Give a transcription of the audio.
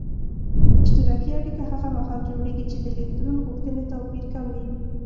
اشتراکي اړیکه هغه محال جوړیږي چې د الکترون غوښتنې توپیر کم وي.